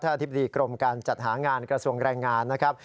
อธิบดีกรมการจัดหางานกระทรวงแรงงานนะครับ